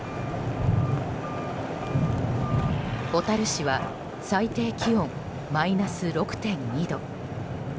小樽市は最低気温マイナス６．２度。